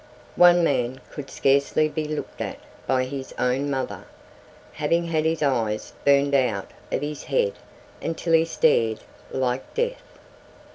One man could scarcely be looked at by his own mother, having had his eyes burned out of his head until he stared like Death.